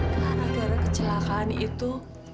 karena kecelakaan itu